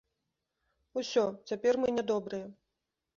Усё, цяпер мы нядобрыя.